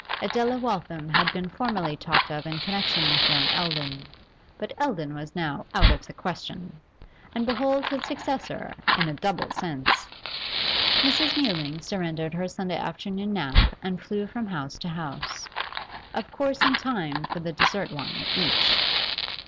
Adela Waltham had been formerly talked of in connection with young Eldon; but Eldon was now out of the question, and behold his successor, in a double sense! Mrs. Mewling surrendered her Sunday afternoon nap and flew from house to house of course in time for the dessert wine at each.